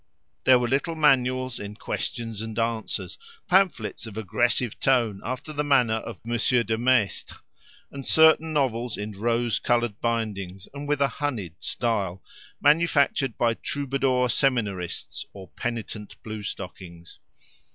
There were little manuals in questions and answers, pamphlets of aggressive tone after the manner of Monsieur de Maistre, and certain novels in rose coloured bindings and with a honied style, manufactured by troubadour seminarists or penitent blue stockings.